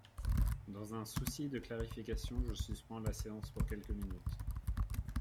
Dans un souci de clarification, je suspends la séance pour quelques minutes.